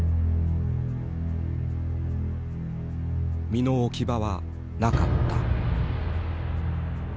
身の置き場はなかった。